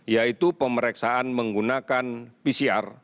yaitu pemeriksaan menggunakan pcr